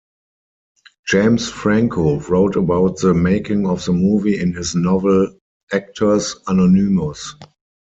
James Franco wrote about the making of the movie in his novel "Actors Anonymous".